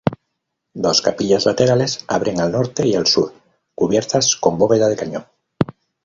Dos capillas laterales abren al norte y al sur, cubiertas con bóveda de cañón.